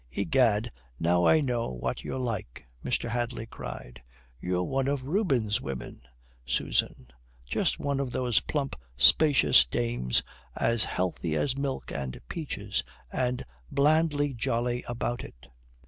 "Egad, now I know what you're like," Mr. Hadley cried. "You're one of Rubens' women, Susan; just one of those plump, spacious dames as healthy as milk and peaches, and blandly jolly about it."